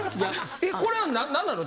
えっこれは何なの？